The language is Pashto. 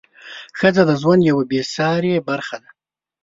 ښځه د ژوند یوه بې سارې برخه ده.